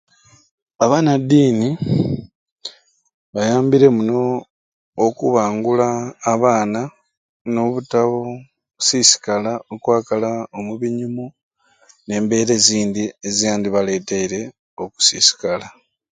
Abanadiini bayambire muno okubangula abaana n'obutabuu sisikala okwakala omubinyumu n'embeera ezindi ezandibaleteire okusiisikala.